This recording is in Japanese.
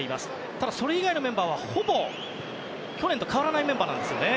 ただ、それ以外のメンバーはほぼ去年と変わらないメンバーですね。